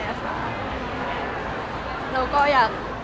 แล้วก็อยาก